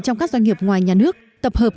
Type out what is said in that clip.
trong các doanh nghiệp ngoài nhà nước tập hợp